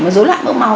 rối loạn mỡ máu